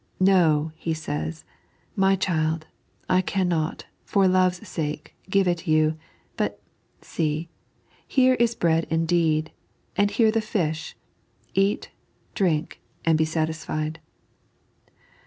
" Ko," He says ;" My child, I cannot, for love's sake, give it you ; but, see, here is bread indeed, and here the fish — eat, drink, ajid be satisfied."